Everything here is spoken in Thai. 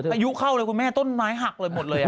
อายุเข้าเลยคุณแม่ต้นไม้หักเลยหมดเลย